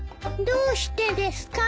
どうしてですか？